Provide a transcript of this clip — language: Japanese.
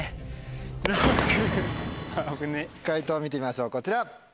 解答見てみましょうこちら！